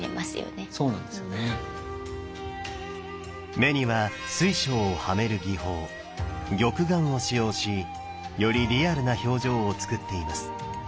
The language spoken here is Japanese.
目には水晶をはめる技法玉眼を使用しよりリアルな表情をつくっています。